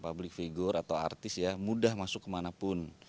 seorang publik figur atau artis ya mudah masuk kemanapun